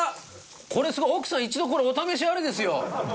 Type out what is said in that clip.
これすごい！奥さん一度これお試しあれですよ！